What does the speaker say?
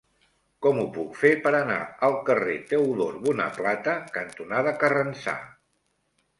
Com ho puc fer per anar al carrer Teodor Bonaplata cantonada Carrencà?